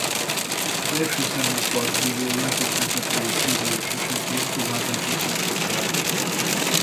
Az első számú partbíró játékvezetői sérülés esetén továbbvezethette a találkozót.